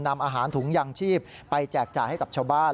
นำอาหารถุงยางชีพไปแจกจ่ายให้กับชาวบ้าน